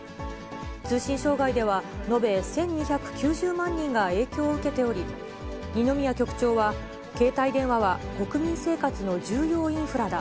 通信障害では、延べ１２９０万人が影響を受けており、二宮局長は、携帯電話は国民生活の重要インフラだ。